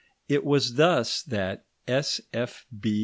It was thus that S.F.